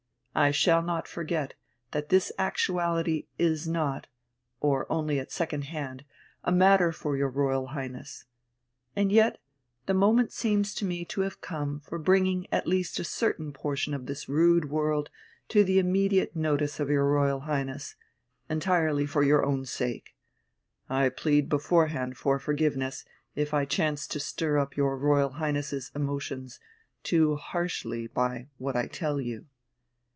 I shall not forget that this actuality is not or only at second hand a matter for your Royal Highness. And yet the moment seems to me to have come for bringing at least a certain portion of this rude world to the immediate notice of your Royal Highness, entirely for your own sake. I plead beforehand for forgiveness, if I chance to stir up your Royal Highness's emotions too harshly by what I tell you."